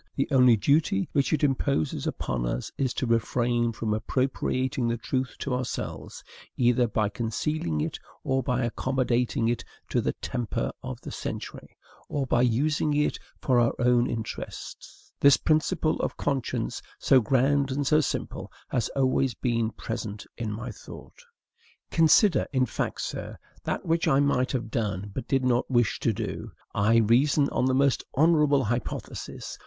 The only duty which it imposes upon us is to refrain from appropriating the truth to ourselves, either by concealing it, or by accommodating it to the temper of the century, or by using it for our own interests. This principle of conscience, so grand and so simple, has always been present in my thought. Consider, in fact, sir, that which I might have done, but did not wish to do. I reason on the most honorable hypothesis.